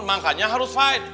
makanya harus berjuang